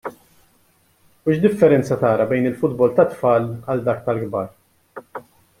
U x'differenza tara bejn il-futbol tat-tfal għal dak tal-kbar?